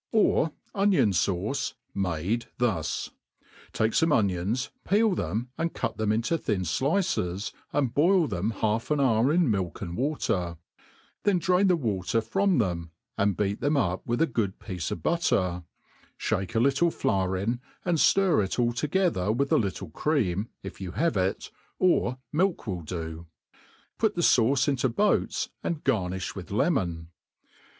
Or onion fauce, made thus :' take fome onions, peel them, and cut them into thin flices, and boil them half an hour in milk and water ; then drain the water from > them, and beat them up with a good piece of butter; fliake a' little flour in, and ftir it all together with a little cream, if you W^ it (or milk will do] \ put the fauce into boats, and gar JJifli with lemon.